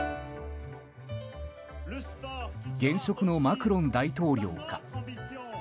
現職のマクロン大統領か。